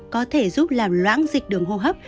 có thể giúp làm loãng dịch đường hô hấp